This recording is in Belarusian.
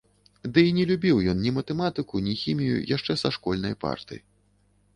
Ды і не любіў ён ні матэматыку, ні хімію яшчэ са школьнай парты.